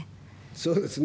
そうですね。